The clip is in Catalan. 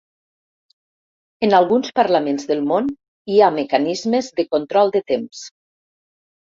En alguns parlaments del món hi ha mecanismes de control de temps.